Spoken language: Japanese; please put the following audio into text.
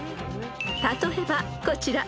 ［例えばこちら］